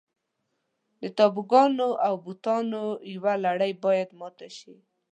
د تابوګانو او بوتانو یوه لړۍ باید ماته شي.